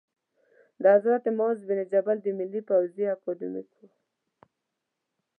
د حضرت معاذ بن جبل د ملي پوځي اکاډمۍ